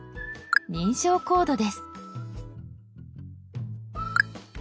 認証コードです。